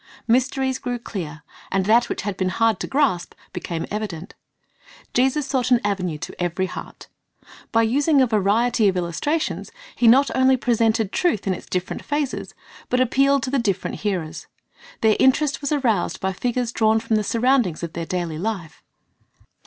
Mysteries grew clear, and that which had been hard to grasp became evident. Jesus sought an avenue to every heart. By using a variety of illustrations. He not only presented truth in its different phases, but appealed to the different hear ers. Their interest was aroused by figures drawn from the sur roundings of their daily life.